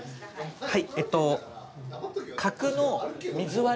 はい